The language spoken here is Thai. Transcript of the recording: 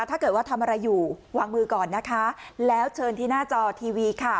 ถ้าเกิดว่าทำอะไรอยู่วางมือก่อนนะคะแล้วเชิญที่หน้าจอทีวีค่ะ